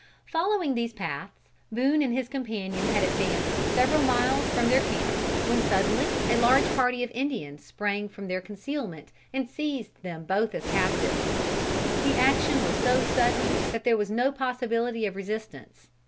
Following these paths, Boone and his companion had advanced several miles from their camp, when suddenly a large party of Indians sprang from their concealment and seized them both as captives. The action was so sudden that there was no possibility of resistance.